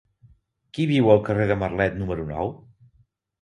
Qui viu al carrer de Marlet número nou?